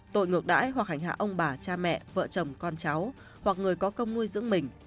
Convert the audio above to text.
tội ngược đãi hoặc hành hạ ông bà cha mẹ vợ chồng con cháu hoặc người có công nuôi dưỡng mình